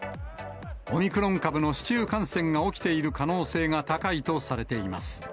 オミクロン株の市中感染が起きている可能性が高いとされています。